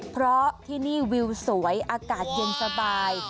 เพราะที่นี่วิวสวยอากาศเย็นสบาย